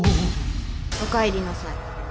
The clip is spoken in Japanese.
おかえりなさい。